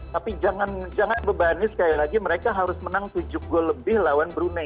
tapi jangan bebani sekali lagi mereka harus menang tujuh gol lebih lawan brunei